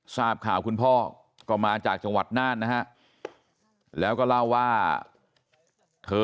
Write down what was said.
ทราบข่าวคุณพ่อก็มาจากจังหวัดน่านนะฮะแล้วก็เล่าว่าเธอ